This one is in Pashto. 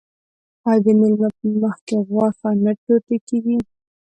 آیا د میلمه په مخکې غوښه نه ټوټه کیږي؟